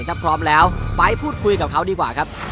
ถ้าพร้อมแล้วไปพูดคุยกับเขาดีกว่าครับ